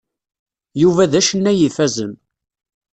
Yuba d acennay ifazen.